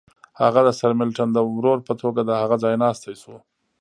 هغه د سرمیلټن د ورور په توګه د هغه ځایناستی شو.